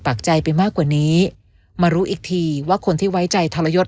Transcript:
ปากใจไปมากกว่านี้มารู้อีกทีว่าคนที่ไว้ใจทรยศ